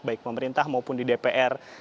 baik pemerintah maupun di dpr